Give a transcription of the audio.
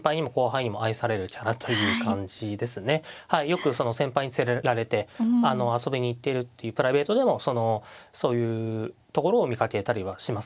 よくその先輩に連れられて遊びに行っているっていうプライベートでもそのそういうところを見かけたりはしますね。